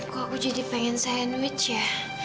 kok jadi pengen sandwich ya